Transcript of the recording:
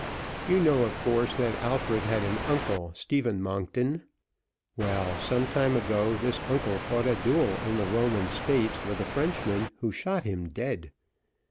You know, of course, that Alfred had an uncle, Stephen Monkton. Well, some time ago this uncle fought a duel in the Roman States with a Frenchman, who shot him dead.